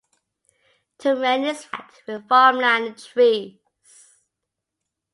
Terrain is flat with farmland and trees.